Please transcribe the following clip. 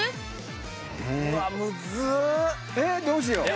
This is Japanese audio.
どうしよう。